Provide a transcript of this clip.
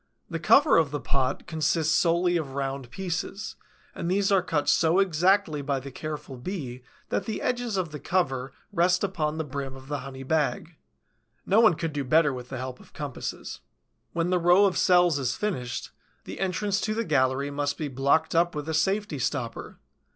The cover of the pot consists solely of round pieces, and these are cut so exactly by the careful Bee that the edges of the cover rest upon the brim of the honey bag. No one could do better with the help of compasses. When the row of cells is finished, the entrance to the gallery must be blocked up with a safety stopper.